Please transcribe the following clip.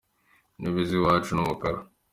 Intebe ziwacu numukara.